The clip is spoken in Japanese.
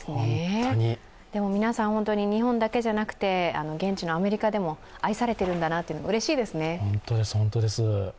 でも皆さん、日本だけじゃなくて現地のアメリカでも愛されているんだなと、うれしいですね。